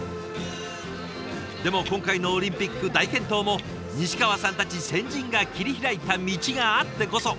でも今回のオリンピック大健闘も西川さんたち先人が切り開いた道があってこそ！